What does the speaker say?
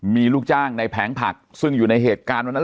มีลูกจ้างในแผงผักซึ่งอยู่ในเหตุการณ์วันนั้น